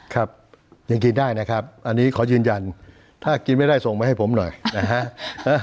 ครับยังกินได้นะครับอันนี้ขอยืนยันถ้ากินไม่ได้ส่งไปให้ผมหน่อยนะฮะ